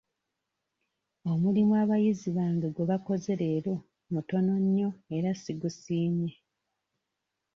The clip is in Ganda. Omulimu abayizi bange gwe bakoze leero mutono nnyo era sigusiimye.